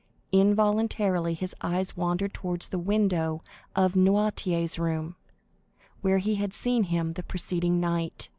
Involuntarily his eyes wandered towards the window of Noirtier's room, where he had seen him the preceding night.